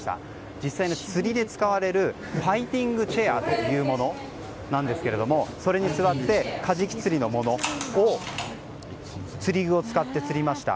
実際の釣りで使われるファイティングチェアというものですがそれに座ってカジキ釣りのものを釣り具を使って釣りました。